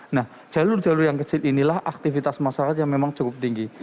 nah jalur jalur yang kecil inilah aktivitas masyarakat yang memang cukup tinggi